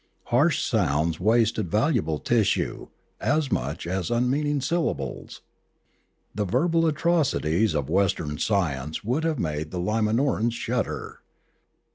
Harsh sounds wasted valuable tissue as much as unmeaning syllables. The verbal atrocities of Western science would have made the Limanorans shudder.